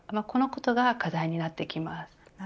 このことが課題になってきます。